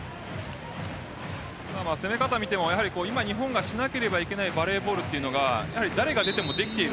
攻め方見ても今日本がしなければいけないバレーボールというのが誰が出ても、できている。